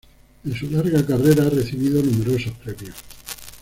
En su larga carrera, ha recibido numerosos premios.